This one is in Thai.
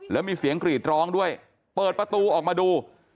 แล้วมีเสียงกรีดร้องด้วยเปิดประตูออกมาดู